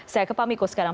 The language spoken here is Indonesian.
saya ke pak miko sekarang